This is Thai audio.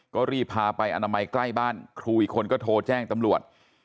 ก็รีบพาไปอนามัยใกล้บ้านครูอีกคนก็โทรแจ้งตำรวจ